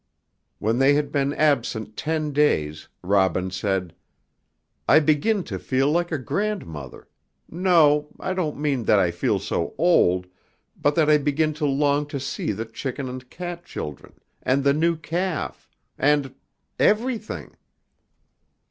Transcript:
When they had been absent ten days, Robin said, "I begin to feel like a grandmother; no, I don't mean that I feel so old, but that I begin to long to see the chicken and cat children, and the new calf, and everything."